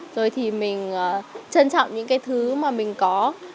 rồi thì mình trân trọng những cái thứ mà mình có